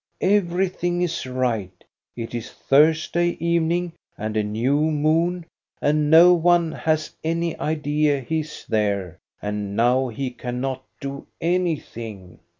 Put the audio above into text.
Everything is right; it is Thursday evening and a new moon, and no one has any idea he is there, and now he cannot do anything.